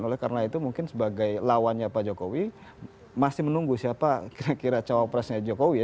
oleh karena itu mungkin sebagai lawannya pak jokowi masih menunggu siapa kira kira cawapresnya jokowi